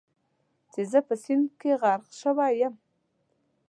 چې زه په سیند کې غرق شوی یم.